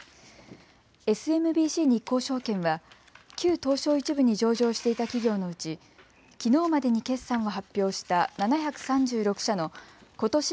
ＳＭＢＣ日興証券は旧東証１部に上場していた企業のうちきのうまでに決算を発表した７３６社のことし